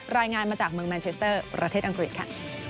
รายงานมาจากเมืองแมนเชสเตอร์ประเทศอังกฤษค่ะ